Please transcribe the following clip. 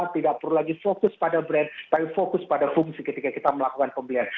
tidak perlu lagi fokus pada brand tapi fokus pada fungsi ketika kita melakukan pembelian